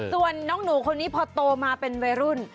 ส่วนน้องหนูคนนี้พอโตมาเป็นวัยรุ่น